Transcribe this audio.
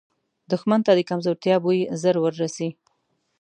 دښمن ته د کمزورتیا بوی ژر وررسي